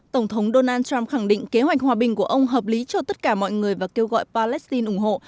tổng thống donald trump khẳng định kế hoạch hòa bình của ông hợp lý cho tất cả mọi người và kêu gọi palestine ủng hộ